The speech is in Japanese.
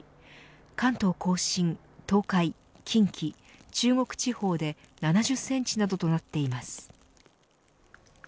関東甲信、東海、近畿中国地方で７０センチなどとなっています。